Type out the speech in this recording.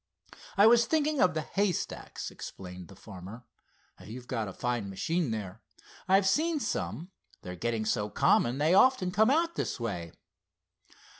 "I was thinking of the haystacks," explained the farmer. "You've got a fine machine there. I've seen some, they're getting so common they often come out this way."